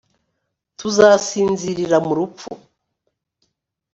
tuzasinzirira mu rupfu